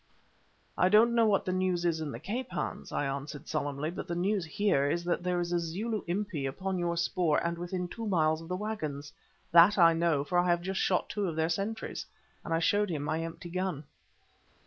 "I don't know what the news is in the Cape, Hans," I answered, solemnly; "but the news here is that there is a Zulu Impi upon your spoor and within two miles of the waggons. That I know, for I have just shot two of their sentries," and I showed him my empty gun.